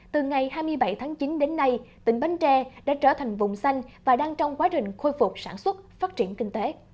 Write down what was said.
từ ngày hai mươi bảy tháng chín đến nay tỉnh bến tre đã trở thành vùng xanh và đang trong quá trình khôi phục sản xuất phát triển kinh tế